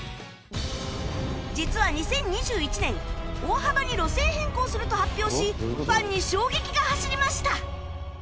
実は２０２１年大幅に路線変更すると発表しファンに衝撃が走りました